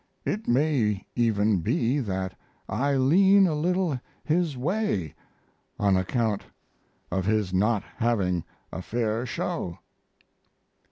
It may even be that I lean a little his way on account of his not having a fair show.